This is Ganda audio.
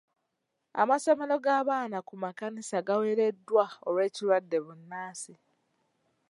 Amasomero g'abaana ku makanisa gawereddwa olw'ekirwadde bbunansi.